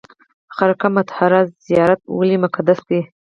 خرقه مطهره زیارت ولې مقدس دی؟